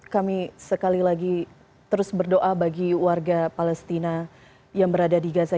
kami sekali lagi terus berdoa bagi warga palestina yang berada di gaza